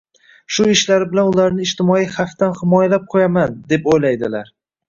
shu ishlari bilan ularni ijtimoiy xavfdan himoyalab qolaman deb o‘ylaydilar.